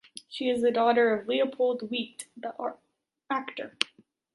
She is the daughter of Leopold Witte, the actor.